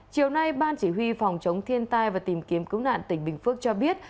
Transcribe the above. chiều nay ban chỉ huy phòng chống thiên tai và tìm kiếm cứu nạn tỉnh bình phước cho biết